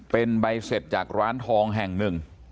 เป็นใบเสร็จจากร้านทองแห่งหนึ่ง